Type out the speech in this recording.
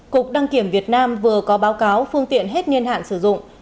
cục đăng kiểm việt nam vừa có báo cáo phương tiện hết niên hạn sử dụng